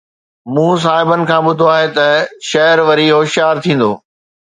مون صاحبن کان ٻڌو آهي ته شعر وري هوشيار ٿيندو